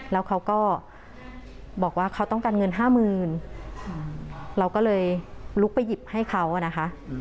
แล้วเขาก็บอกว่าเขาต้องการเงินห้าหมื่นเราก็เลยลุกไปหยิบให้เขานะคะ